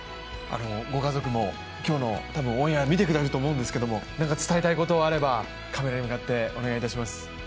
ご家族も今日のオンエア、見てくれると思うんですけれども伝えたいことがあればカメラに向かってお願いいたします。